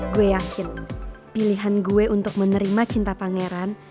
gue yakin pilihan gue untuk menerima cinta pangeran